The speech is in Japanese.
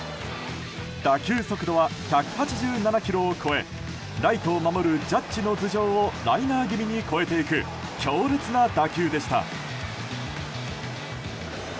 打球速度は１８７キロを超えライトを守るジャッジの頭上をライナー気味に越えていく強烈な打球でした。